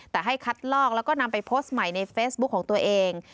แต่ให้คัดลอกแล้วก็นำไปโพสต์ใหม่ในเฟซบุ๊คของตัวเอง